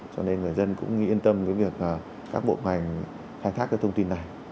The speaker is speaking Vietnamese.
cho nên người dân cũng yên tâm với việc các bộ ngành khai thác cái thông tin này